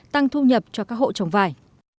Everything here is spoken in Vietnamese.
tăng thu nhập cho các hộ trồng vải